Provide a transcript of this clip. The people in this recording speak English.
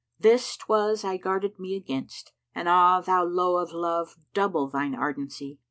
this 'twas I guarded me against! * And ah, thou lowe of Love double thine ardency!